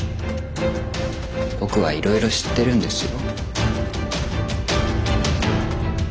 僕はいろいろ知ってるんですよ。